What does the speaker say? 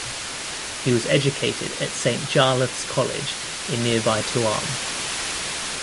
He was educated at Saint Jarlath's College in nearby Tuam.